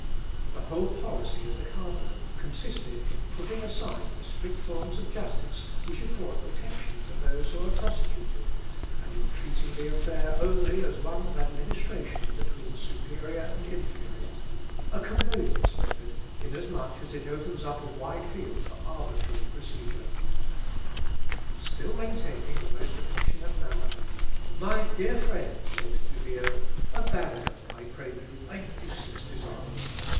The whole policy of the cardinal consisted in putting aside the strict forms of justice, which afford protection to those who are prosecuted, and in treating the affair only as one of administration between superior and inferior; a commodious method, in as much as it opens up a wide field for arbitrary procedure. Still maintaining the most affectionate manner, "My dear friend," said De Vio, "abandon, I pray you, a useless design.